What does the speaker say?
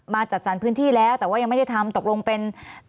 จัดสรรพื้นที่แล้วแต่ว่ายังไม่ได้ทำตกลงเป็น